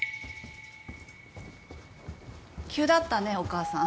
急だったねお母さん。